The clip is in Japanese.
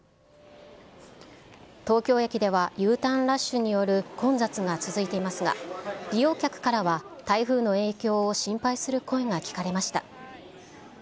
東京駅ではＵターンラッシュによる混雑が続いていますが、利用客からは台風の影響を心配する声が聞かれました。